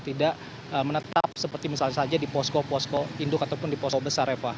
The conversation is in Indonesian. tidak menetap seperti misalnya saja di posko posko induk ataupun di posko besar eva